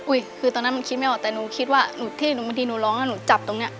คือตอนนั้นมันคิดไม่ออกแต่หนูคิดว่าบางทีหนูร้องแล้วหนูจับตรงเนี้ย